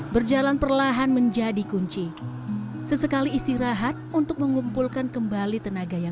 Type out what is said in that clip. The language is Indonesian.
berjalan perlahan menjadi kunci sesekali istirahat untuk mengumpulkan kembali tenaga yang